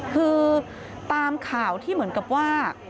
คือตามข่าวที่เหมือนกับว่า